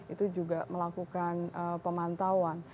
itu juga melakukan pemantauan